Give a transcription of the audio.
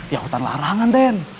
ya hutan larangan den